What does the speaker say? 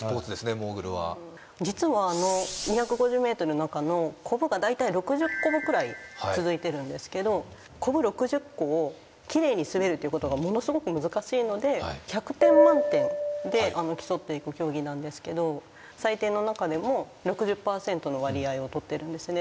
モーグルは実はあの２５０ｍの中のコブが大体６０コブくらい続いてるんですけどコブ６０個をきれいに滑るっていうことがものすごく難しいので１００点満点で競っていく競技なんですけど採点の中でも６０％の割合を取ってるんですね